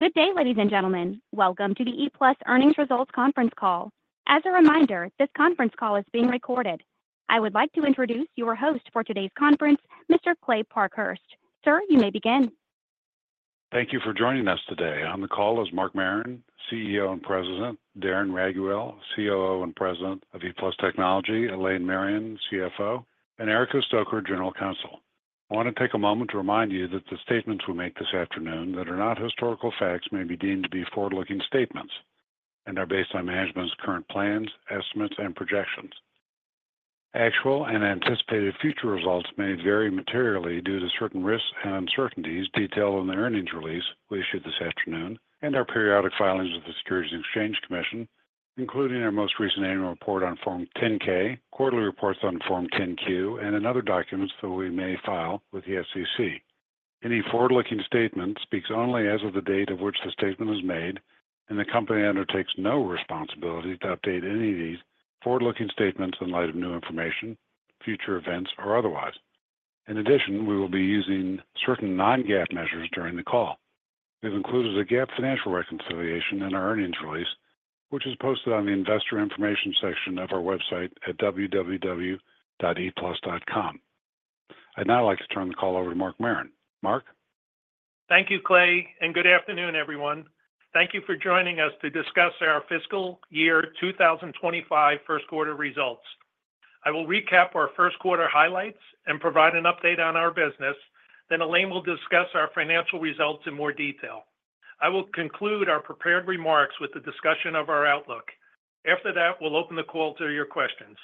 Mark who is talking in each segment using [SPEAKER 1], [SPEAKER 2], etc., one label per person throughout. [SPEAKER 1] Good day, ladies and gentlemen. Welcome to the ePlus Earnings Results Conference Call. As a reminder, this conference call is being recorded. I would like to introduce your host for today's conference, Mr. Kley Parkhurst. Sir, you may begin.
[SPEAKER 2] Thank you for joining us today. On the call is Mark Marron, CEO and President, Darren Raiguel, COO and President of ePlus Technology, Elaine Marion, CFO, and Erica Stoecker, General Counsel. I want to take a moment to remind you that the statements we make this afternoon that are not historical facts may be deemed to be forward-looking statements and are based on management's current plans, estimates, and projections. Actual and anticipated future results may vary materially due to certain risks and uncertainties detailed in the earnings release we issued this afternoon and our periodic filings with the Securities and Exchange Commission, including our most recent annual report on Form 10-K, quarterly reports on Form 10-Q, and in other documents that we may file with the SEC. Any forward-looking statement speaks only as of the date of which the statement was made, and the company undertakes no responsibility to update any of these forward-looking statements in light of new information, future events, or otherwise. In addition, we will be using certain non-GAAP measures during the call. We've included a GAAP financial reconciliation in our earnings release, which is posted on the investor information section of our website at www.eplus.com. I'd now like to turn the call over to Mark Marron. Mark?
[SPEAKER 3] Thank you, Kley, and good afternoon, everyone. Thank you for joining us to discuss our fiscal year 2025 first quarter results. I will recap our first quarter highlights and provide an update on our business. Then Elaine will discuss our financial results in more detail. I will conclude our prepared remarks with the discussion of our outlook. After that, we'll open the call to your questions.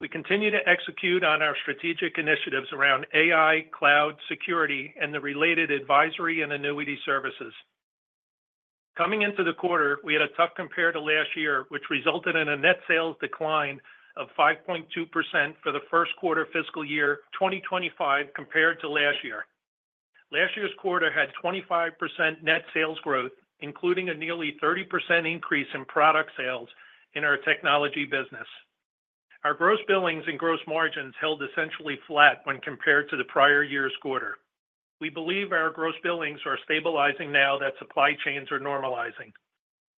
[SPEAKER 3] We continue to execute on our strategic initiatives around AI, cloud, security, and the related advisory and annuity services. Coming into the quarter, we had a tough compare to last year, which resulted in a net sales decline of 5.2% for the first quarter fiscal year 2025 compared to last year. Last year's quarter had 25% net sales growth, including a nearly 30% increase in product sales in our technology business. Our gross billings and gross margins held essentially flat when compared to the prior year's quarter. We believe our gross billings are stabilizing now that supply chains are normalizing.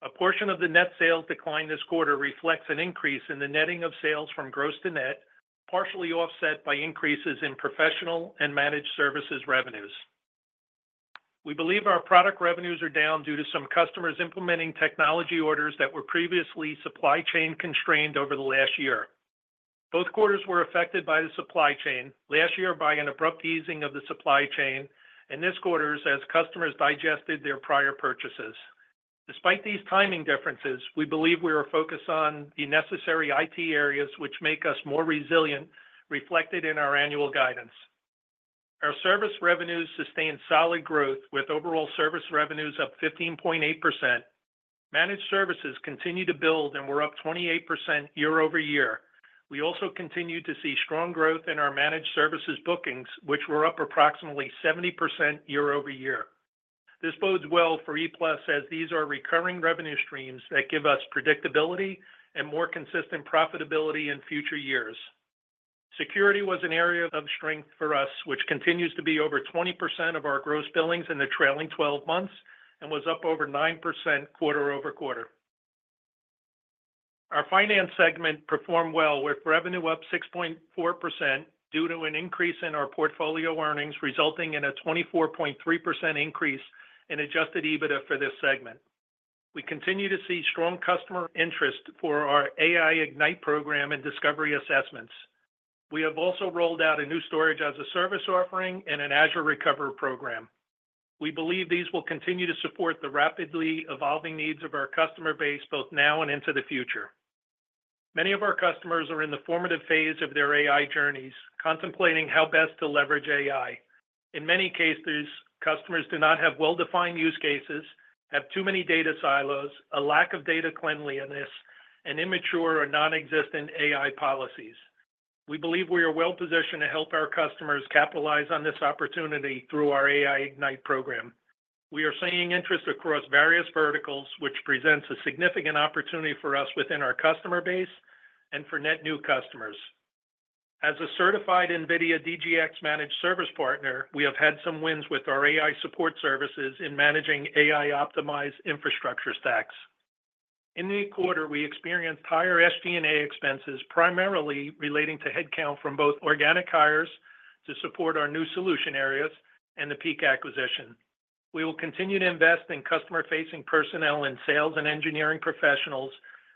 [SPEAKER 3] A portion of the net sales decline this quarter reflects an increase in the netting of sales from gross to net, partially offset by increases in professional and managed services revenues. We believe our product revenues are down due to some customers implementing technology orders that were previously supply chain constrained over the last year. Both quarters were affected by the supply chain, last year by an abrupt easing of the supply chain, and this quarter as customers digested their prior purchases. Despite these timing differences, we believe we are focused on the necessary IT areas which make us more resilient, reflected in our annual guidance. Our service revenues sustained solid growth, with overall service revenues up 15.8%. Managed services continue to build, and we're up 28% year-over-year. We also continue to see strong growth in our managed services bookings, which were up approximately 70% year-over-year. This bodes well for ePlus, as these are recurring revenue streams that give us predictability and more consistent profitability in future years. Security was an area of strength for us, which continues to be over 20% of our Gross Billings in the trailing 12 months and was up over 9% quarter-over-quarter. Our finance segment performed well, with revenue up 6.4% due to an increase in our portfolio earnings, resulting in a 24.3% increase in adjusted EBITDA for this segment. We continue to see strong customer interest for our AI Ignite program and discovery assessments. We have also rolled out a new Storage-as-a-Service offering and an Azure Recovery program. We believe these will continue to support the rapidly evolving needs of our customer base, both now and into the future. Many of our customers are in the formative phase of their AI journeys, contemplating how best to leverage AI. In many cases, customers do not have well-defined use cases, have too many data silos, a lack of data cleanliness, and immature or non-existent AI policies. We believe we are well positioned to help our customers capitalize on this opportunity through our AI Ignite program. We are seeing interest across various verticals, which presents a significant opportunity for us within our customer base and for net new customers. As a certified NVIDIA DGX Managed Service partner, we have had some wins with our AI support services in managing AI-optimized infrastructure stacks. In the quarter, we experienced higher SG&A expenses, primarily relating to headcount from both organic hires to support our new solution areas and the PEAK acquisition. We will continue to invest in customer-facing personnel and sales and engineering professionals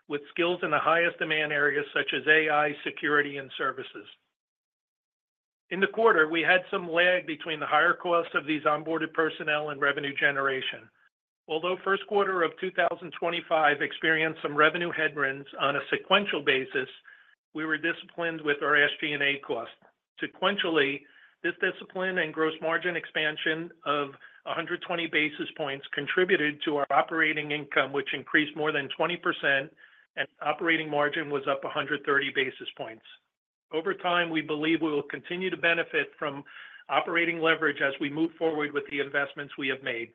[SPEAKER 3] with skills in the highest demand areas, such as AI, security, and services. In the quarter, we had some lag between the higher cost of these onboarded personnel and revenue generation. Although first quarter of 2025 experienced some revenue headwinds on a sequential basis, we were disciplined with our SG&A costs. Sequentially, this discipline and gross margin expansion of 120 basis points contributed to our operating income, which increased more than 20%, and operating margin was up 130 basis points. Over time, we believe we will continue to benefit from operating leverage as we move forward with the investments we have made.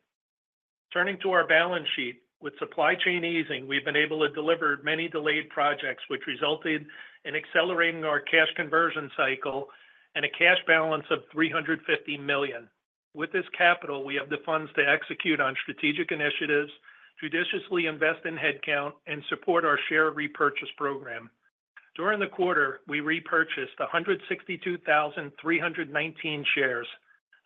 [SPEAKER 3] Turning to our balance sheet. With supply chain easing, we've been able to deliver many delayed projects, which resulted in accelerating our cash conversion cycle and a cash balance of $350 million. With this capital, we have the funds to execute on strategic initiatives, judiciously invest in headcount, and support our share repurchase program. During the quarter, we repurchased 162,319 shares.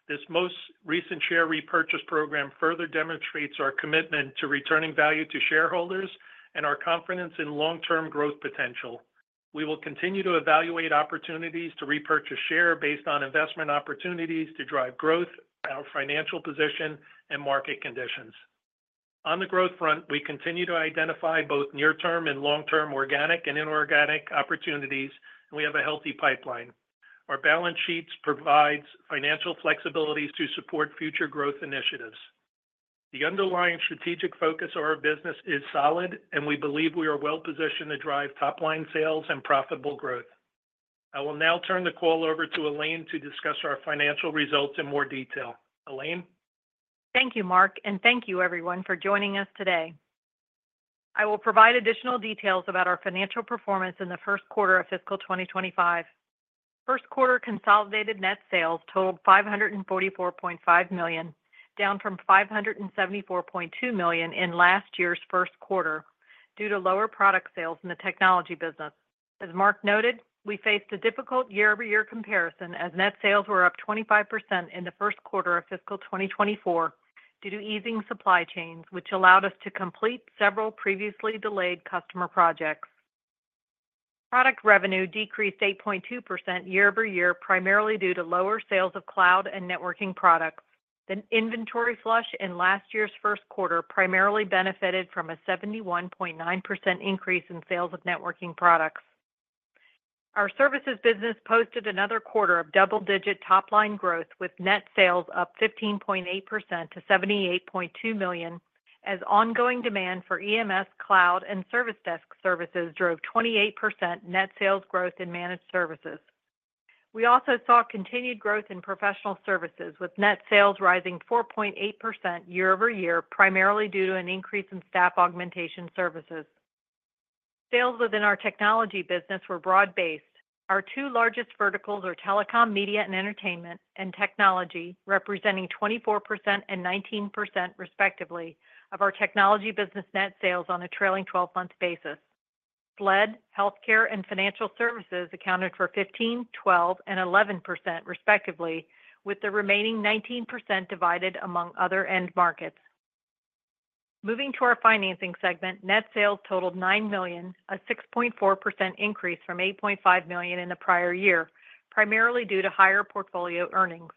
[SPEAKER 3] This most recent share repurchase program further demonstrates our commitment to returning value to shareholders and our confidence in long-term growth potential. We will continue to evaluate opportunities to repurchase shares based on investment opportunities to drive growth, our financial position, and market conditions. On the growth front, we continue to identify both near-term and long-term organic and inorganic opportunities, and we have a healthy pipeline. Our balance sheets provides financial flexibilities to support future growth initiatives. The underlying strategic focus of our business is solid, and we believe we are well positioned to drive top-line sales and profitable growth. I will now turn the call over to Elaine to discuss our financial results in more detail. Elaine?
[SPEAKER 4] Thank you, Mark, and thank you everyone for joining us today. I will provide additional details about our financial performance in the first quarter of fiscal 2025. First quarter consolidated net sales totaled $544.5 million, down from $574.2 million in last year's first quarter due to lower product sales in the technology business. As Mark noted, we faced a difficult year-over-year comparison, as net sales were up 25% in the first quarter of fiscal 2024 due to easing supply chains, which allowed us to complete several previously delayed customer projects. Product revenue decreased 8.2% year-over-year, primarily due to lower sales of cloud and networking products. An inventory flush in last year's first quarter primarily benefited from a 71.9% increase in sales of networking products. Our services business posted another quarter of double-digit top-line growth, with net sales up 15.8%-$78.2 million, as ongoing demand for EMS cloud and service desk services drove 28% net sales growth in managed services. We also saw continued growth in professional services, with net sales rising 4.8% year over year, primarily due to an increase in staff augmentation services. Sales within our technology business were broad-based. Our two largest verticals are telecom, media, and entertainment, and technology, representing 24% and 19%, respectively, of our technology business net sales on a trailing twelve-month basis. SLED, healthcare, and financial services accounted for 15%, 12%, and 11%, respectively, with the remaining 19% divided among other end markets. Moving to our financing segment, net sales totaled $9 million, a 6.4% increase from $8.5 million in the prior year, primarily due to higher portfolio earnings.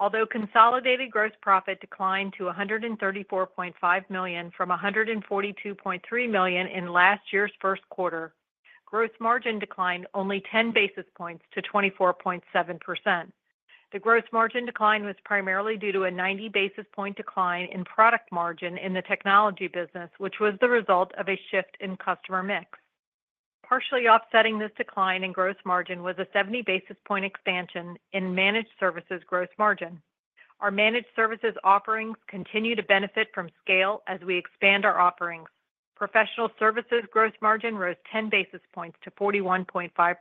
[SPEAKER 4] Although consolidated gross profit declined to $134.5 million-$142.3 million in last year's first quarter, gross margin declined only 10 basis points to 24.7%. The gross margin decline was primarily due to a 90 basis point decline in product margin in the technology business, which was the result of a shift in customer mix. Partially offsetting this decline in gross margin was a 70 basis point expansion in managed services gross margin. Our managed services offerings continue to benefit from scale as we expand our offerings. Professional services gross margin rose 10 basis points to 41.5%.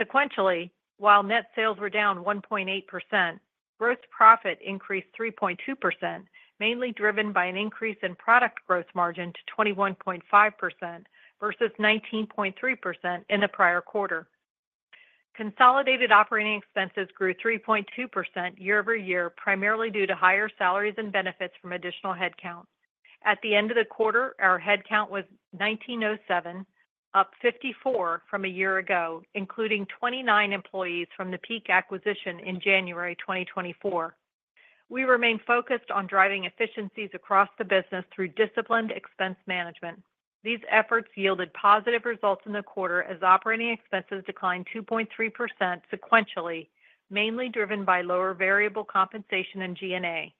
[SPEAKER 4] Sequentially, while net sales were down 1.8%, gross profit increased 3.2%, mainly driven by an increase in product gross margin to 21.5% versus 19.3% in the prior quarter. Consolidated operating expenses grew 3.2% year-over-year, primarily due to higher salaries and benefits from additional headcount. At the end of the quarter, our headcount was 1,907, up 54 from a year ago, including 29 employees from the PEAK acquisition in January 2024. We remain focused on driving efficiencies across the business through disciplined expense management. These efforts yielded positive results in the quarter as operating expenses declined 2.3% sequentially, mainly driven by lower variable compensation and SG&A.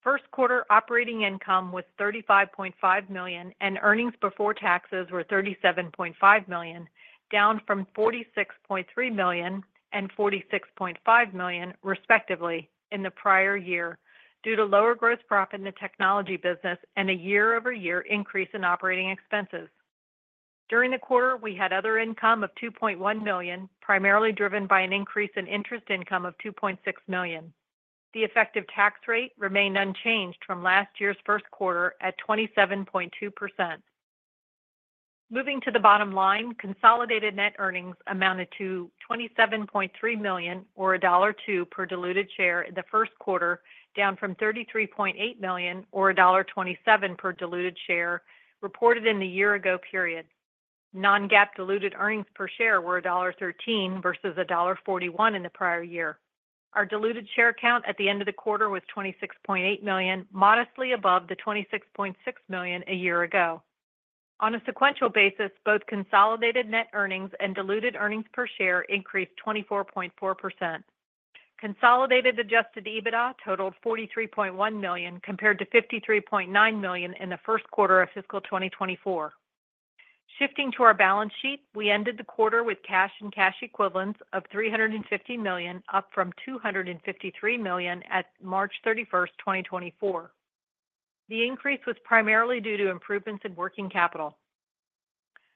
[SPEAKER 4] First quarter operating income was $35.5 million, and earnings before taxes were $37.5 million, down from $46.3 million and $46.5 million, respectively, in the prior year due to lower gross profit in the technology business and a year-over-year increase in operating expenses. During the quarter, we had other income of $2.1 million, primarily driven by an increase in interest income of $2.6 million. The effective tax rate remained unchanged from last year's first quarter at 27.2%. Moving to the bottom line, consolidated net earnings amounted to $27.3 million or $2 per diluted share in the first quarter, down from $33.8 million or $27 per diluted share reported in the year ago period. Non-GAAP diluted earnings per share were $1.13 versus $1.41 in the prior year. Our diluted share count at the end of the quarter was 26.8 million, modestly above the 26.6 million a year ago. On a sequential basis, both consolidated net earnings and diluted earnings per share increased 24.4%. Consolidated Adjusted EBITDA totaled $43.1 million, compared to $53.9 million in the first quarter of fiscal 2024. Shifting to our balance sheet, we ended the quarter with cash and cash equivalents of $350 million, up from $253 million at March 31st, 2024. The increase was primarily due to improvements in working capital.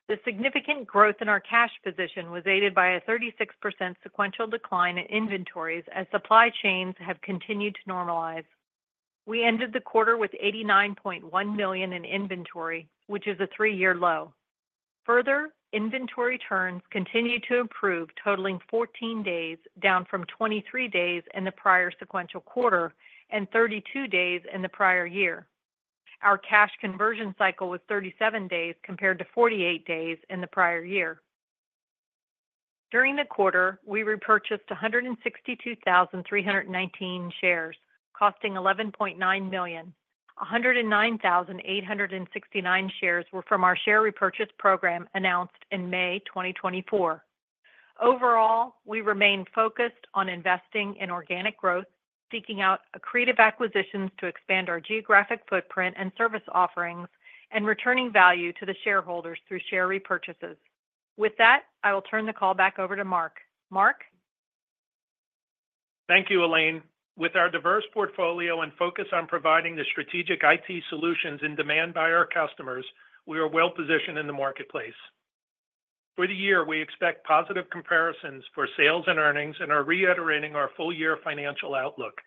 [SPEAKER 4] The significant growth in our cash position was aided by a 36% sequential decline in inventories as supply chains have continued to normalize. We ended the quarter with $89.1 million in inventory, which is a three-year low. Further, inventory turns continued to improve, totaling 14 days, down from 23 days in the prior sequential quarter and 32 days in the prior year. Our cash conversion cycle was 37 days compared to 48 days in the prior year. During the quarter, we repurchased 162,319 shares, costing $11.9 million. 109,869 shares were from our share repurchase program announced in May 2024. Overall, we remain focused on investing in organic growth, seeking out accretive acquisitions to expand our geographic footprint and service offerings, and returning value to the shareholders through share repurchases. With that, I will turn the call back over to Mark. Mark?
[SPEAKER 3] Thank you, Elaine. With our diverse portfolio and focus on providing the strategic IT solutions in demand by our customers, we are well-positioned in the marketplace. For the year, we expect positive comparisons for sales and earnings and are reiterating our full-year financial outlook.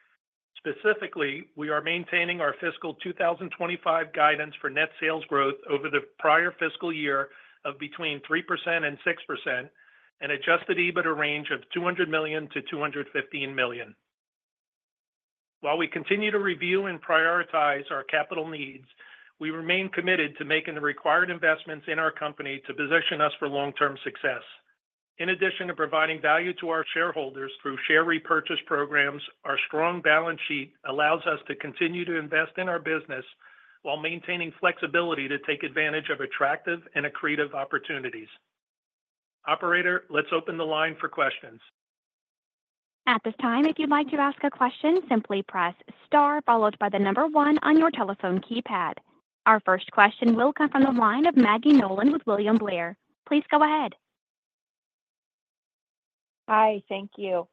[SPEAKER 3] Specifically, we are maintaining our fiscal 2025 guidance for net sales growth over the prior fiscal year of between 3% and 6%, and adjusted EBITDA range of $200 million-$215 million. While we continue to review and prioritize our capital needs, we remain committed to making the required investments in our company to position us for long-term success. In addition to providing value to our shareholders through share repurchase programs, our strong balance sheet allows us to continue to invest in our business while maintaining flexibility to take advantage of attractive and accretive opportunities. Operator, let's open the line for questions.
[SPEAKER 1] At this time, if you'd like to ask a question, simply press Star, followed by the number one on your telephone keypad. Our first question will come from the line of Maggie Nolan with William Blair. Please go ahead.
[SPEAKER 5] Hi, thank you.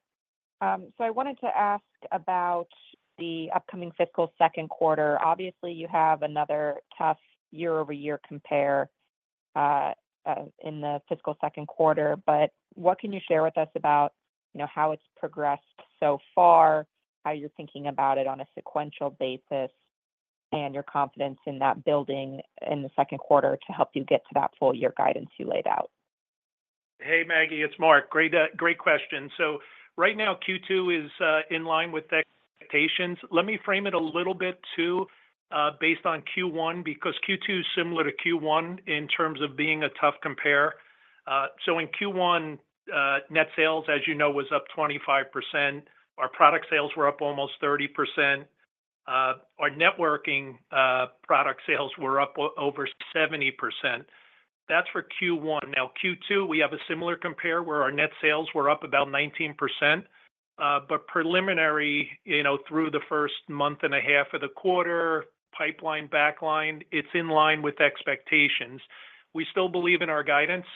[SPEAKER 5] So I wanted to ask about the upcoming fiscal second quarter. Obviously, you have another tough year-over-year compare in the fiscal second quarter, but what can you share with us about, you know, how it's progressed so far, how you're thinking about it on a sequential basis, and your confidence in that building in the second quarter to help you get to that full year guidance you laid out?
[SPEAKER 3] Hey, Maggie, it's Mark. Great, great question. So right now, Q2 is in line with the expectations. Let me frame it a little bit too, based on Q1, because Q2 is similar to Q1 in terms of being a tough compare. So in Q1, net sales, as you know, was up 25%. Our product sales were up almost 30%. Our networking product sales were up over 70%. That's for Q1. Now, Q2, we have a similar compare, where our net sales were up about 19%. But preliminary, you know, through the first month and a half of the quarter, pipeline backlog, it's in line with expectations. We still believe in our guidance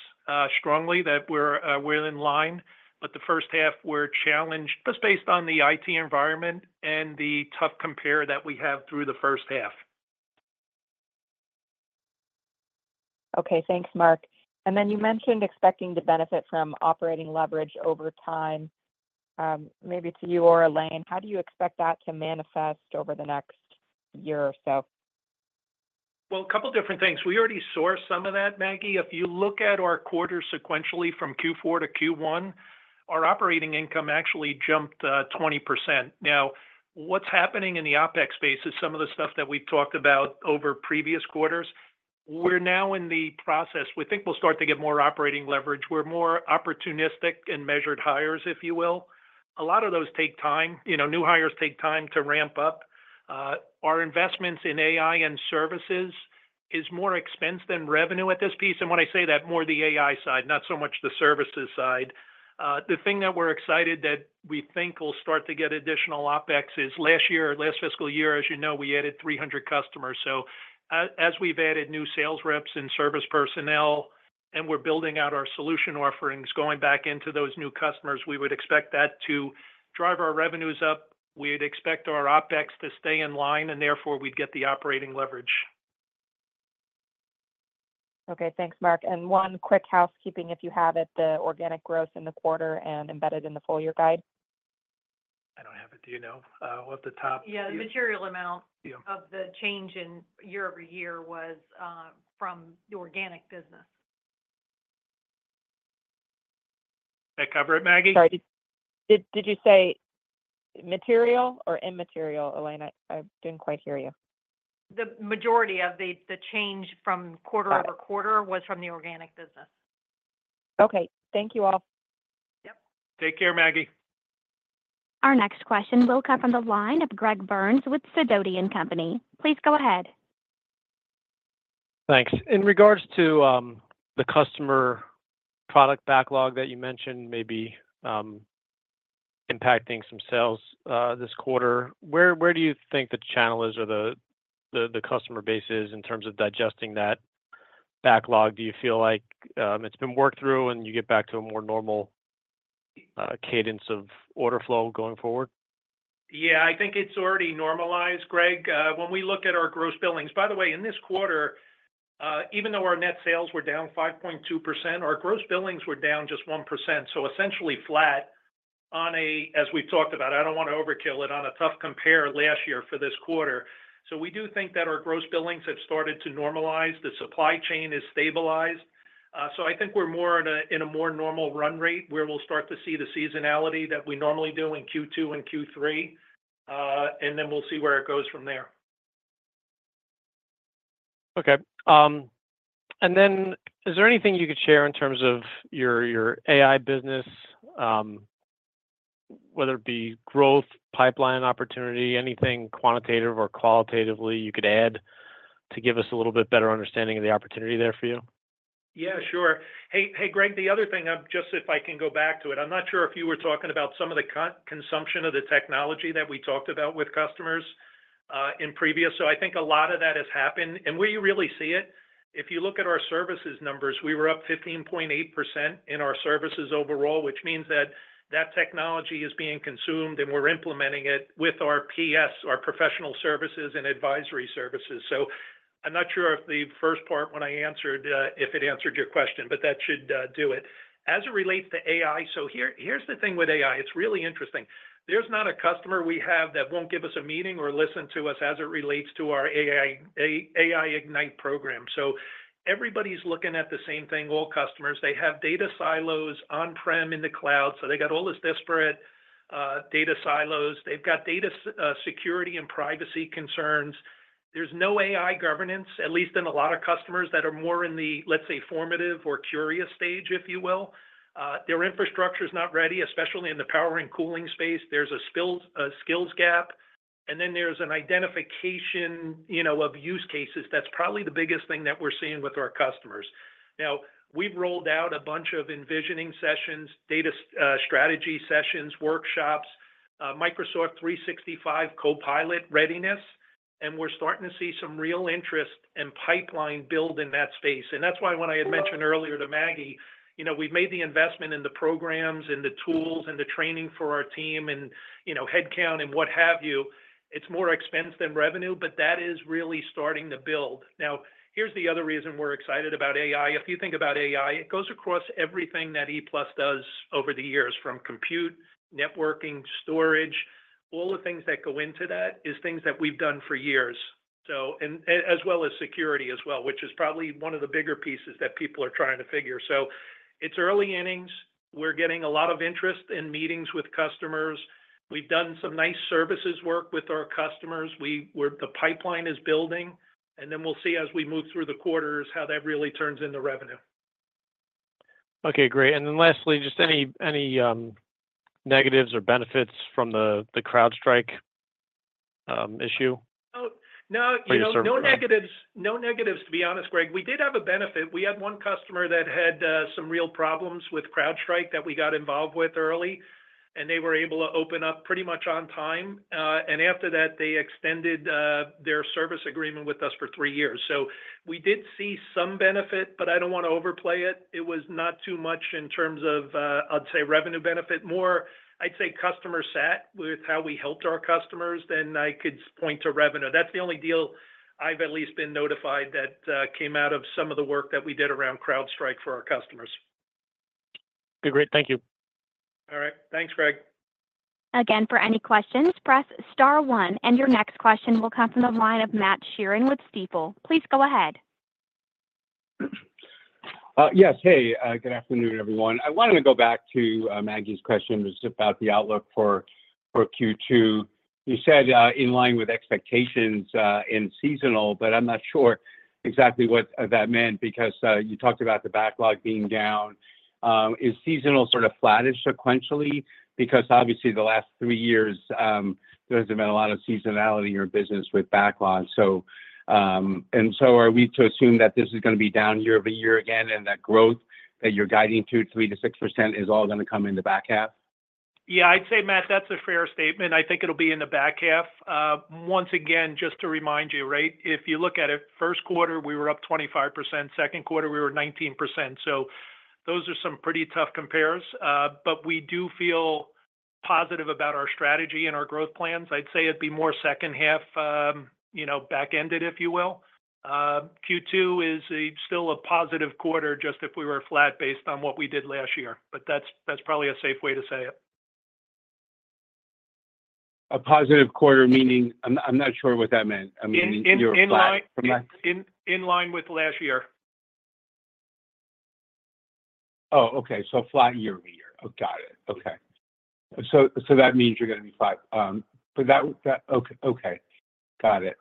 [SPEAKER 3] strongly, that we're, we're in line, but the first half, we're challenged just based on the IT environment and the tough compare that we have through the first half.
[SPEAKER 5] Okay. Thanks, Mark. And then you mentioned expecting to benefit from operating leverage over time. Maybe to you or Elaine, how do you expect that to manifest over the next year or so?
[SPEAKER 3] Well, a couple different things. We already saw some of that, Maggie. If you look at our quarter sequentially from Q4-Q1, our operating income actually jumped 20%. Now, what's happening in the OpEx space is some of the stuff that we've talked about over previous quarters. We're now in the process. We think we'll start to get more operating leverage. We're more opportunistic in measured hires, if you will. A lot of those take time. You know, new hires take time to ramp up. Our investments in AI and services is more expense than revenue at this piece, and when I say that, more the AI side, not so much the services side. The thing that we're excited that we think will start to get additional OpEx is last year, last fiscal year, as you know, we added 300 customers. So, as we've added new sales reps and service personnel, and we're building out our solution offerings, going back into those new customers, we would expect that to drive our revenues up. We'd expect our OpEx to stay in line, and therefore, we'd get the operating leverage.
[SPEAKER 5] Okay. Thanks, Mark. One quick housekeeping, if you have it, the organic growth in the quarter and embedded in the full year guide.
[SPEAKER 3] I don't have it. Do you know, off the top?
[SPEAKER 4] Yeah, the material amount-
[SPEAKER 3] Yeah
[SPEAKER 4] -of the change in year-over-year was from the organic business.
[SPEAKER 3] That cover it, Maggie?
[SPEAKER 5] Sorry. Did you say material or immaterial, Elaine? I didn't quite hear you.
[SPEAKER 4] The majority of the change from quarter over quarter-
[SPEAKER 5] Got it
[SPEAKER 4] was from the organic business.
[SPEAKER 5] Okay. Thank you all.
[SPEAKER 4] Yep.
[SPEAKER 3] Take care, Maggie.
[SPEAKER 1] Our next question will come from the line of Greg Burns with Sidoti & Company. Please go ahead.
[SPEAKER 6] Thanks. In regards to the customer product backlog that you mentioned may be impacting some sales this quarter, where do you think the channel is or the customer base is in terms of digesting that backlog? Do you feel like it's been worked through and you get back to a more normal cadence of order flow going forward?
[SPEAKER 3] Yeah, I think it's already normalized, Greg. When we look at our gross billings. By the way, in this quarter, even though our net sales were down 5.2%, our gross billings were down just 1%, so essentially flat on a, as we've talked about, I don't wanna overkill it, on a tough compare last year for this quarter. So we do think that our gross billings have started to normalize. The supply chain is stabilized. So I think we're more at a, in a more normal run rate, where we'll start to see the seasonality that we normally do in Q2 and Q3. And then we'll see where it goes from there.
[SPEAKER 6] Okay. And then is there anything you could share in terms of your, your AI business, whether it be growth, pipeline opportunity, anything quantitative or qualitatively you could add to give us a little bit better understanding of the opportunity there for you?
[SPEAKER 3] Yeah, sure. Hey, hey, Greg, the other thing, I've just if I can go back to it, I'm not sure if you were talking about some of the consumption of the technology that we talked about with customers in previous. So I think a lot of that has happened, and we really see it. If you look at our services numbers, we were up 15.8% in our services overall, which means that that technology is being consumed, and we're implementing it with our PS, our professional services and advisory services. So I'm not sure if the first part, when I answered, if it answered your question, but that should do it. As it relates to AI, so here, here's the thing with AI, it's really interesting. There's not a customer we have that won't give us a meeting or listen to us as it relates to our AI, AI Ignite program. So everybody's looking at the same thing, all customers. They have data silos on-prem in the cloud, so they got all this disparate data silos. They've got data security and privacy concerns. There's no AI governance, at least in a lot of customers that are more in the, let's say, formative or curious stage, if you will. Their infrastructure is not ready, especially in the power and cooling space. There's a skills gap, and then there's an identification, you know, of use cases. That's probably the biggest thing that we're seeing with our customers. Now, we've rolled out a bunch of envisioning sessions, data strategy sessions, workshops, Microsoft 365 Copilot readiness, and we're starting to see some real interest and pipeline build in that space. And that's why when I had mentioned earlier to Maggie, you know, we've made the investment in the programs and the tools and the training for our team and, you know, headcount and what have you. It's more expense than revenue, but that is really starting to build. Now, here's the other reason we're excited about AI. If you think about AI, it goes across everything that ePlus does over the years, from compute, networking, storage. All the things that go into that is things that we've done for years, so, and as well as security as well, which is probably one of the bigger pieces that people are trying to figure. So it's early innings. We're getting a lot of interest in meetings with customers. We've done some nice services work with our customers. The pipeline is building, and then we'll see as we move through the quarters, how that really turns into revenue.
[SPEAKER 6] Okay, great. And then lastly, just any negatives or benefits from the CrowdStrike issue?
[SPEAKER 3] Oh, no-
[SPEAKER 6] For your service.
[SPEAKER 3] You know, no negatives, no negatives, to be honest, Greg. We did have a benefit. We had one customer that had some real problems with CrowdStrike that we got involved with early, and they were able to open up pretty much on time. And after that, they extended their service agreement with us for three years. So we did see some benefit, but I don't wanna overplay it. It was not too much in terms of, I'd say, revenue benefit, more, I'd say customer sat with how we helped our customers than I could point to revenue. That's the only deal I've at least been notified that came out of some of the work that we did around CrowdStrike for our customers.
[SPEAKER 6] Okay, great. Thank you.
[SPEAKER 3] All right. Thanks, Greg.
[SPEAKER 1] Again, for any questions, press star one, and your next question will come from the line of Matthew Sheerin with Stifel. Please go ahead.
[SPEAKER 7] Yes. Hey, good afternoon, everyone. I wanted to go back to Maggie's question, just about the outlook for Q2. You said in line with expectations, in seasonal, but I'm not sure exactly what that meant because you talked about the backlog being down. Is seasonal sort of flattish sequentially? Because obviously, the last three years, there's been a lot of seasonality in your business with backlogs. So, and so are we to assume that this is gonna be down year over year again, and that growth that you're guiding to, 3%-6%, is all gonna come in the back half?
[SPEAKER 3] Yeah, I'd say, Matt, that's a fair statement. I think it'll be in the back half. Once again, just to remind you, right, if you look at it, first quarter, we were up 25%, second quarter, we were 19%. So those are some pretty tough compares. But we do feel positive about our strategy and our growth plans. I'd say it'd be more second half, you know, back-ended, if you will. Q2 is still a positive quarter, just if we were flat based on what we did last year. But that's, that's probably a safe way to say it.
[SPEAKER 7] A positive quarter, meaning? I'm, I'm not sure what that meant. I mean, you're flat-
[SPEAKER 3] In line- In line with last year.
[SPEAKER 7] Oh, okay. So flat year-over-year. Oh, got it. Okay. So that means you're gonna be flat. But that. Okay, okay. Got it.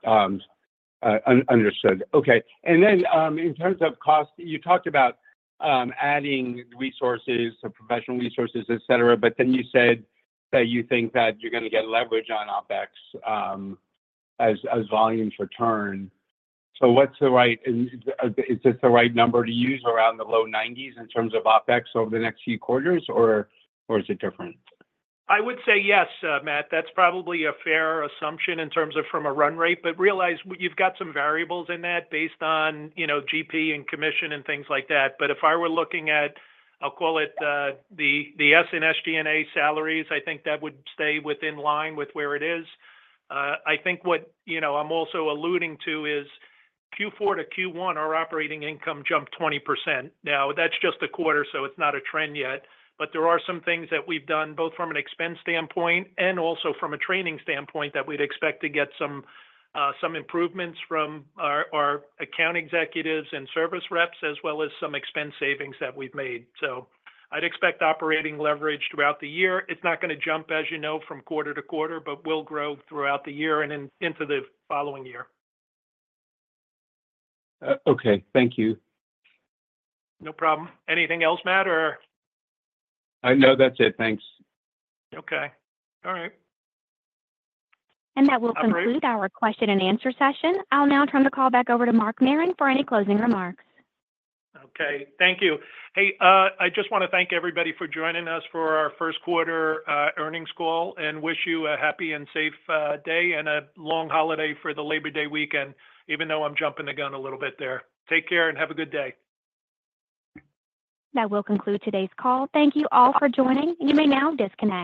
[SPEAKER 7] Understood. Okay, and then in terms of cost, you talked about adding resources, so professional resources, et cetera, but then you said that you think that you're gonna get leverage on OpEx as volumes return. So what's the right—is this the right number to use around the low 90s in terms of OpEx over the next few quarters, or is it different?
[SPEAKER 3] I would say yes, Matt. That's probably a fair assumption in terms of from a run rate, but realize we've got some variables in that based on, you know, GP and commission and things like that. But if I were looking at, I'll call it, the S and SG&A salaries, I think that would stay in line with where it is. I think what, you know, I'm also alluding to is Q4-Q1, our operating income jumped 20%. Now, that's just a quarter, so it's not a trend yet, but there are some things that we've done, both from an expense standpoint and also from a training standpoint, that we'd expect to get some improvements from our account executives and service reps, as well as some expense savings that we've made. So I'd expect operating leverage throughout the year. It's not gonna jump, as you know, from quarter to quarter, but will grow throughout the year and into the following year.
[SPEAKER 7] Okay. Thank you.
[SPEAKER 3] No problem. Anything else, Matt, or?
[SPEAKER 7] No, that's it. Thanks.
[SPEAKER 3] Okay. All right.
[SPEAKER 1] That will conclude our question and answer session. I'll now turn the call back over to Mark Marron for any closing remarks.
[SPEAKER 3] Okay. Thank you. Hey, I just wanna thank everybody for joining us for our first quarter earnings call, and wish you a happy and safe day, and a long holiday for the Labor Day weekend, even though I'm jumping the gun a little bit there. Take care, and have a good day.
[SPEAKER 1] That will conclude today's call. Thank you all for joining. You may now disconnect.